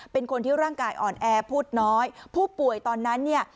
เป็นคนที่ร่างกายอ่อนแอพูดน้อยผู้ป่วยตอนนั้นเนี่ย